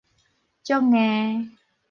足硬